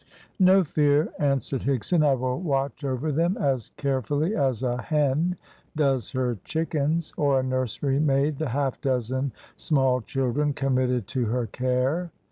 "No fear," answered Higson, "I will watch over them as carefully as a hen does her chickens, or a nurserymaid the half dozen small children committed to her care."